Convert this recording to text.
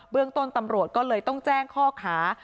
เรื่องต้นตำรวจก็เลยต้องแจ้งข้อหา